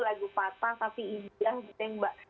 lagu patah tapi ideal gitu ya mbak